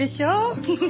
フフフ。